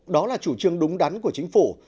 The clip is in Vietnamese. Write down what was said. đó là chủ trương đúng đắn của chính phủ